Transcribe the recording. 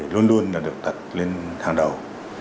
luôn luôn được đặt lên hàng đầu